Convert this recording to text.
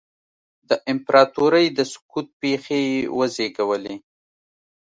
د امپراتورۍ د سقوط پېښې یې وزېږولې.